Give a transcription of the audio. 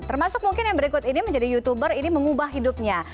termasuk mungkin yang berikut ini menjadi youtuber ini mengubah hidupnya